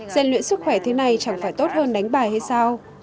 gian luyện sức khỏe thế này chẳng phải tốt hơn đánh bài hay sao